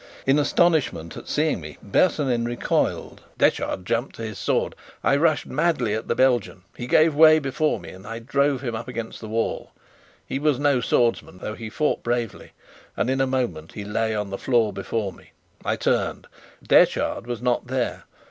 In astonishment at seeing me, Bersonin recoiled; Detchard jumped to his sword. I rushed madly at the Belgian: he gave way before me, and I drove him up against the wall. He was no swordsman, though he fought bravely, and in a moment he lay on the floor before me. I turned Detchard was not there.